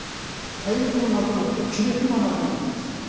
体力がなくなって気力がなくなるんですよ。